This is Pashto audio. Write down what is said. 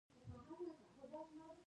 په مناسبو جملو کې یې وکاروئ په پښتو ژبه.